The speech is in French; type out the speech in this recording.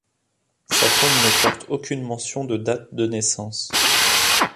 Sa tombe ne porte aucune mention de date de naissance.